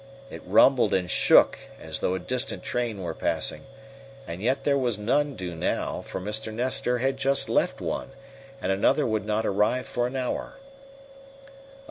It rumbled and shook as though a distant train were passing, and yet there was none due now, for Mr. Nestor had just left one, and another would not arrive for an hour.